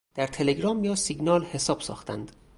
در تلگرام یا سیگنال حساب ساختند